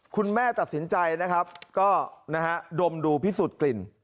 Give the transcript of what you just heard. คุณแม่ตัดสินใจนะครับก็นะฮะดมดูพิสูจน์กลิ่น